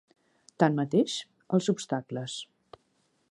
Tanmateix, els obstacles.